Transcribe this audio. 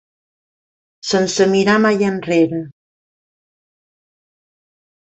Sense mirar mai enrere.